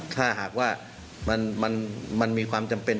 ถ้าหากว่ามันมีความจำเป็น